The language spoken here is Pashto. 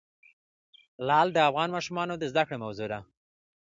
لعل د افغان ماشومانو د زده کړې موضوع ده.